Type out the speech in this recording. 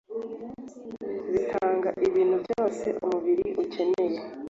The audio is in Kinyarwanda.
bitanga ibintu byose umubiri ukeneye.